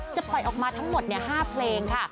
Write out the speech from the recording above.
จะปล่อยออกมาทั้งหมด๕เพลงค่ะ